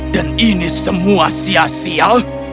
dan ini semua sia sia